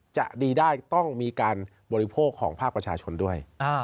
จะดีได้ต้องมีการบริโภคของภาคประชาชนด้วย